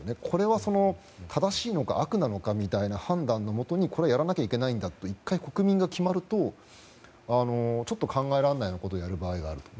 これは正しいのか悪なのかという判断のもとにやらなきゃいけないんだと１回国民が決まるとちょっと考えられないことをやる場合がある。